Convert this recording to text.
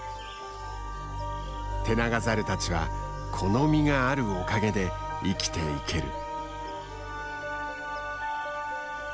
テナガザルたちはこの実があるおかげで生きていける。